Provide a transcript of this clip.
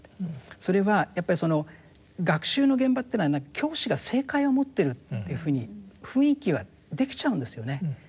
それはやっぱりその学習の現場っていうのは教師が正解を持ってるっていうふうに雰囲気はできちゃうんですよね。